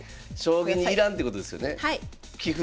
将棋にいらんってことですよね？